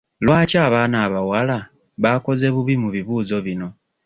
Lwaki abaana abawala baakoze bubi mu bibuuzo bino?